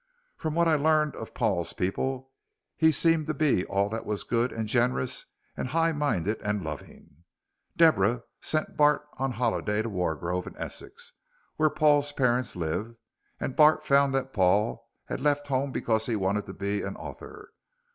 From what I learned of Paul's people he seemed to be all that was good and generous and high minded and loving. Deborah sent Bart one holiday to Wargrove in Essex, where Paul's parents live, and Bart found that Paul had left home because he wanted to be an author.